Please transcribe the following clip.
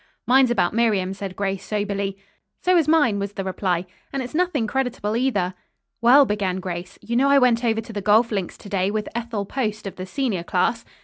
"Mine's about Miriam," said Grace soberly. "So is mine," was the reply, "and it's nothing creditable, either." "Well," began Grace, "you know I went over to the golf links to day with Ethel Post of the senior class."